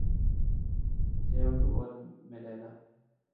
Ceuta اور Melilla